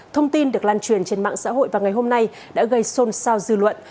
thông tin được lan truyền trên mạng xã hội vào ngày hôm nay đã gây xôn xao dư luận